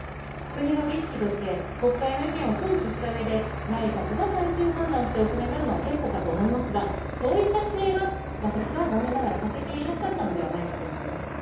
国の儀式として、国会の意見を聴取したうえで、内閣が最終判断してお決めになるのは結構かと思いますが、そういった姿勢が、私は残念ながら欠けていらっしゃったのではないかと思います。